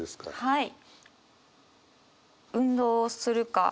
はい。